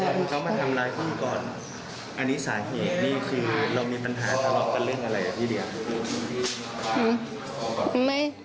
อันนี้สาเหตุเรามีปัญหาในเรื่องอะไรพี่เดียว